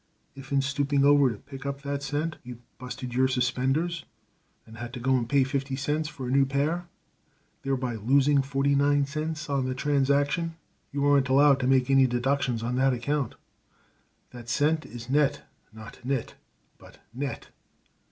If in stooping over to pick up that cent you busted your suspenders, and had to go and pay fifty cents for a new pair, thereby losing forty nine cents on the transaction, you aren't allowed to make any deductions on that account. That cent is 'Net' not 'Nit', but 'Net.'